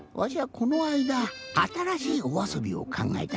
このあいだあたらしいおあそびをかんがえたんじゃ。